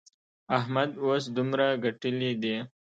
احمد اوس دومره ګټلې دي.